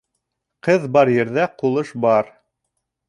Ҡыҙ бар ерҙә ҡулыш бар.